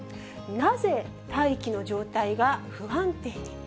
なぜ大気の状態が不安定に？